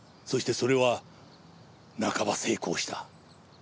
そしてそれは半ば成功した。